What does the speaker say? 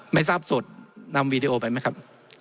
ไม่ทราบสดนำวีดีโอไปไหมครับ